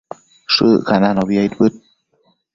Shëccananobi aidbëd